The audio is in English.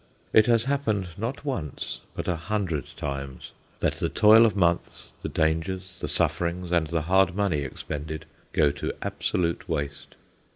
It has happened not once but a hundred times that the toil of months, the dangers, the sufferings, and the hard money expended go to absolute waste.